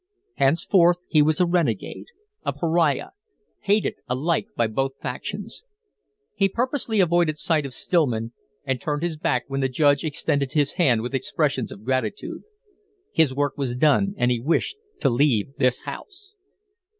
Henceforth he was a renegade, a pariah, hated alike by both factions. He purposely avoided sight of Stillman and turned his back when the Judge extended his hand with expressions of gratitude. His work was done and he wished to leave this house.